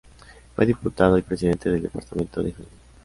Fue Diputado y presidente del departamento de Junín.